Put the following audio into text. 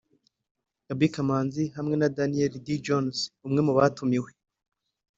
Gaby Kamanzi hamwe na Daniel Dee Jones umwe mu bamutumiye